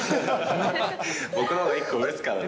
僕のほうが１個上ですからね。